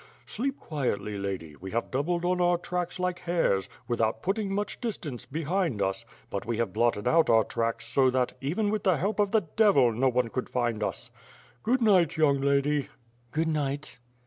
Sleep quietly, lady, we have doubled on our tracks like hares, without putting much distance behind us, but we have blotted out our tracks so that, even with the help of the devil, no one could find us. Good night, young lady." "Good night."